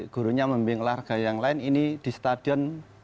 gurunya membimbing olahraga yang lain ini di stadion